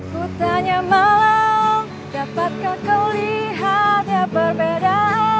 aku tanya malam dapatkah kelihatannya berbeda